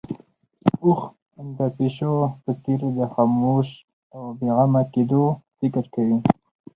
اوښ د پيشو په څېر د خاموش او بې غمه کېدو فکر کوي.